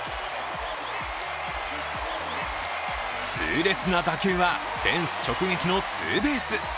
痛烈な打球はフェンス直撃のツーベース。